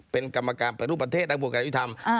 เป็นกรรมการไปทุกประเทศนักบุคคลการวิทยาธิธรรม